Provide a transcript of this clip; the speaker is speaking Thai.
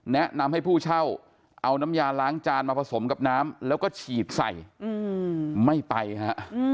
แนะนำให้ผู้เช่าเอาน้ำยาล้างจานมาผสมกับน้ำแล้วก็ฉีดใส่ไม่ไปฮะ